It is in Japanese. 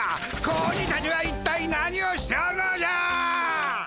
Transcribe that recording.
子鬼たちは一体何をしておるのじゃ！